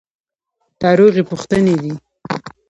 دا روغې پوښتنې دي.